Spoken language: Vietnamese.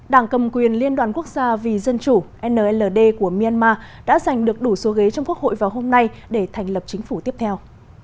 đảng cầm quyền liên đoàn quốc gia vì dân chủ của myanmar đã giành được đủ số ghế trong quốc hội vào hôm nay để thành lập chính phủ tiếp theo